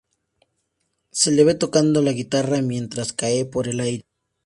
Se le ve tocando la guitarra mientras cae por el aire.